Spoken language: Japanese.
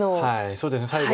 そうですね最後。